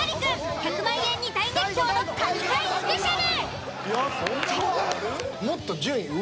１００万円に大熱狂の神回スペシャル！